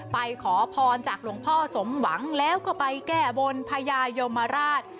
ขอพรจากหลวงพ่อสมหวังแล้วก็ไปแก้บนพญายมราช